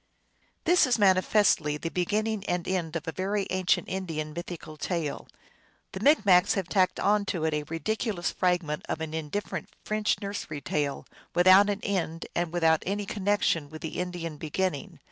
This is manifestly the beginning and end of a very ancient Indian mythical tale. The Micmacs have tacked on to it a ridiculous fragment of an indifferent French nursery tale, without an end and witnout any connection with the Indian beginning.